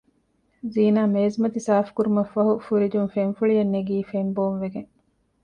ޒީނާ މޭޒުމަތި ސާފުކުރުމަށްފަހު ފުރިޖުން ފެންފުޅިއެން ނެގީ ފެންބޯންވެގެން